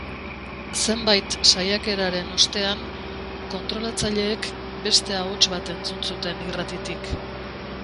Zenbait saiakeraren ostean, kontrolatzaileek beste ahots bat entzun zuten irratitik.